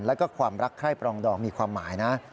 แล้วก็ความรักใคร้ปรองดองมีความหมายนะ